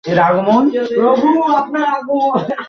এটি তিনি একাত্তরের মৃত্যুর আগ পর্যন্ত রয়ে গেলেন।